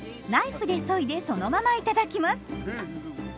ナイフでそいでそのまま頂きます。